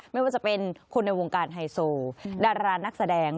ไม่ว่าจะเป็นคนในวงการไฮโซดารานักแสดง